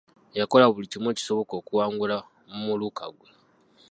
Yakola buli kimu ekisoboka okuwangula mu muluka ggwe.